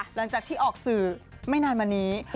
หลังจากที่ออกสื่อไม่นานมานี้